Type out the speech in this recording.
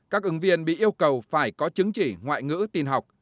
các ứng viên bị yêu cầu phải có chứng chỉ ngoại ngữ tin học